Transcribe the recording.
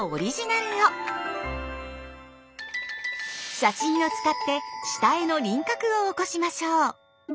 写真を使って下絵の輪郭を起こしましょう。